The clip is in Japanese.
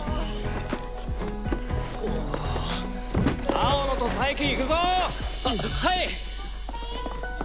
青野と佐伯いくぞ！ははい！